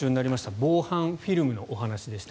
防犯フィルムのお話でした。